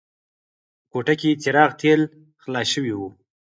په کوټه کې د څراغ تېل خلاص شوي وو.